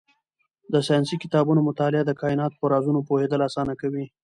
د ساینسي کتابونو مطالعه د کایناتو په رازونو پوهېدل اسانه کوي.